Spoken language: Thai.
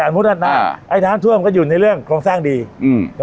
มุดด้านหน้าไอ้น้ำท่วมก็อยู่ในเรื่องโครงสร้างดีอืม